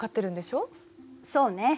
そうね。